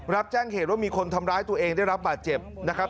รับแจ้งเหตุว่ามีคนทำร้ายตัวเองได้รับบาดเจ็บนะครับ